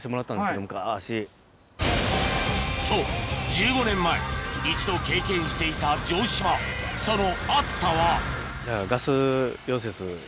そう１５年前一度経験していた城島その熱さははい。